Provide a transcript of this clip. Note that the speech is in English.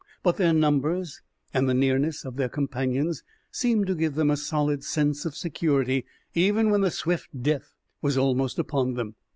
But their numbers and the nearness of their companions seemed to give them a stolid sense of security even when the swift death was almost upon them.